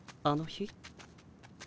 あの日？